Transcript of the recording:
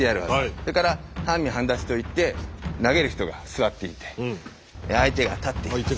それから半身半立ちといって投げる人が座っていて相手が立っている。